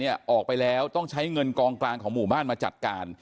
ออกไปแล้วต้องใช้เงินกองกลางของหมู่บ้านมาจัดการ